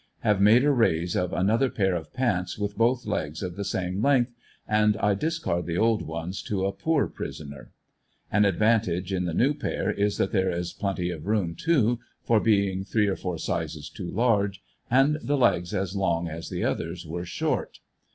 Have made a raise of another pair of pants with both legs of the same length, and I discard the old ones to a ''poor" prisoner. An advantage in the new pair is that there is plenty of room, too, from being three or four sizes too large, and the legs as long as the others were short.